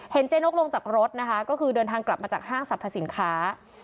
เจ๊นกลงจากรถนะคะก็คือเดินทางกลับมาจากห้างสรรพสินค้า